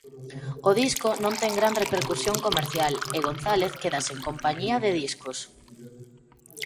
O disco non ten gran repercusión comercial e González queda sen compañía de discos.